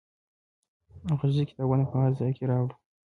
غږیز کتابونه په هر ځای کې واورو.